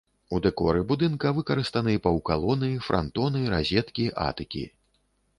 У дэкоры будынка выкарыстаны паўкалоны, франтоны, разеткі, атыкі.